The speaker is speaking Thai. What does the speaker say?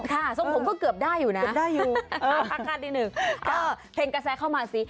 ค่ะส่งผมก็เกือบได้อยู่นะค่ะดีหนึ่งเพลงกระแสเข้ามาสิ